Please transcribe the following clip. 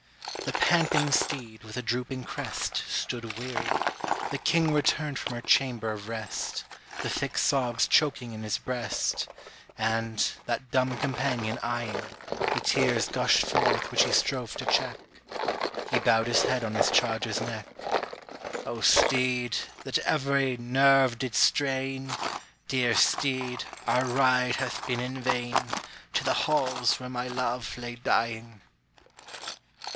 The panting steed, with a drooping crest, Stood weary. The king returned from her chamber of rest, The thick sobs choking in his breast; And, that dumb companion eyeing, The tears gushed forth which he strove to check; He bowed his head on his charger's neck: "O steed, that every nerve didst strain, Dear steed, our ride hath been in vain To the halls where my love lay dying!"